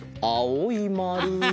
あおいまる！